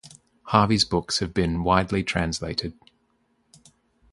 Harvey's books have been widely translated.